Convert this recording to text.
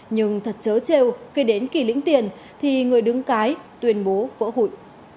nhưng thật chớ trêu khi đến kỳ lĩnh tiền thì người đứng cái tuyên bố vỡ hủy